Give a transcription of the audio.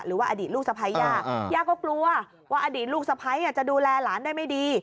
หรือว่าอดีตลูกสะพ้ายย่าย่าก็กลัวว่าอดีตลูกสะพ้ายจะดูแลหลานได้ไม่ดี